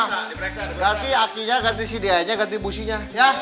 berarti aki nya ganti si dia nya ganti businya